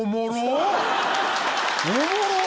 おもろっ！